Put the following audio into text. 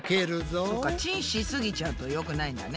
チンしすぎちゃうとよくないんだね。